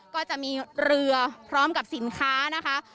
ก็จะมีเรือพร้อมกับสินค้านะคะ